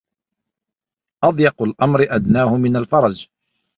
أضيق الأمر أدناه من الفرج